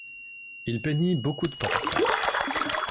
Il peignit beaucoup de portraits.